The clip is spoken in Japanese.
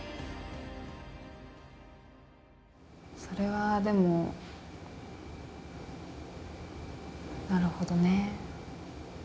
それはでもなるほどね。